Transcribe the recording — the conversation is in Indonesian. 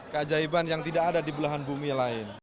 keajaiban yang tidak ada di belahan bumi lain